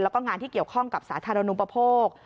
แล้วก็งานที่เกี่ยวข้องกับสาธารณูปโภค